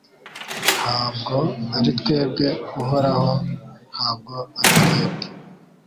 Nta bwo ari twebwe Uhoraho nta bwo ari twebwe